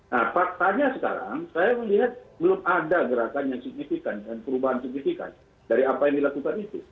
nah faktanya sekarang saya melihat belum ada gerakan yang signifikan dan perubahan signifikan dari apa yang dilakukan itu